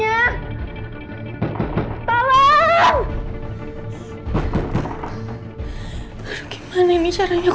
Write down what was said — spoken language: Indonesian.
aku jatuh ama orang orang gang